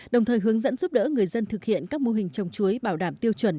đồng thời hướng dẫn giúp đỡ người dân thực hiện các mô hình trồng chuối bảo đảm tiêu chuẩn